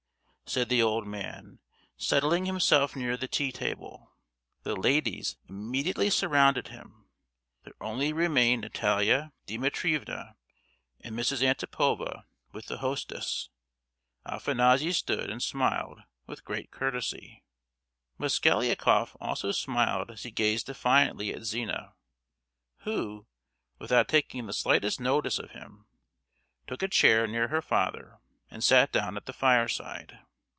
said the old man, settling himself near the tea table. The ladies immediately surrounded him. There only remained Natalia Dimitrievna and Mrs. Antipova with the hostess. Afanassy stood and smiled with great courtesy. Mosgliakoff also smiled as he gazed defiantly at Zina, who, without taking the slightest notice of him, took a chair near her father, and sat down at the fireside.